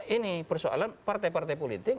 ini persoalan partai partai politik